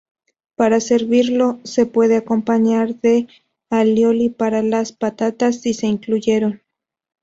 Para servirlo, se puede acompañar de alioli para las patatas si se incluyeron.